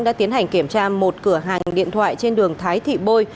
đã tiến hành kiểm tra một cửa hàng điện thoại trên đường thái thị bôi